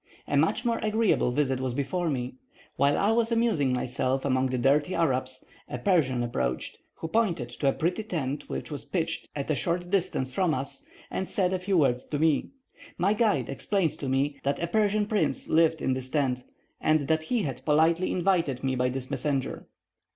A much more agreeable visit was before me. While I was amusing myself among the dirty Arabs, a Persian approached, who pointed to a pretty tent which was pitched at a short distance from us, and said a few words to me. My guide explained to me that a Persian prince lived in this tent, and that he had politely invited me by this messenger.